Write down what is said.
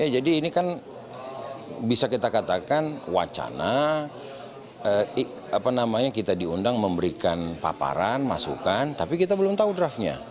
jadi ini kan bisa kita katakan wacana kita diundang memberikan paparan masukan tapi kita belum tahu draftnya